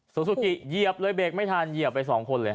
ซูซูกิเหยียบเลยเบรกไม่ทันเหยียบไปสองคนเลย